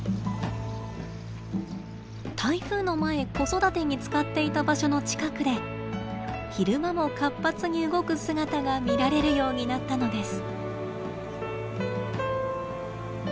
台風の前子育てに使っていた場所の近くで昼間も活発に動く姿が見られるようになったのです。